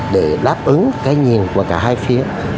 để đáp ứng cái nhìn của cả hai phía